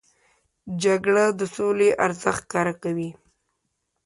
جګړه د سولې ارزښت ښکاره کوي